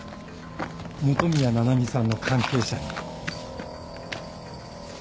元宮七海さんの関係者に。